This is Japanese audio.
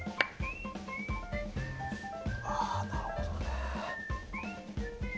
なるほどね。